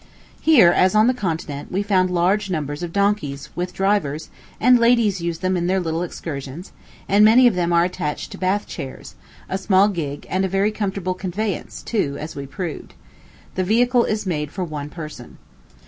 Here, as on the continent, we found large numbers of donkeys, with drivers, and ladies use them in their little excursions; and many of them are attached to Bath chairs, a small gig, and a very comfortable conveyance, too, as we proved. The vehicle is made for one person.